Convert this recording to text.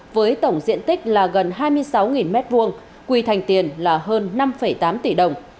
với tổng diện tích là gần hai mươi sáu m hai quy thành tiền là hơn năm tám tỷ đồng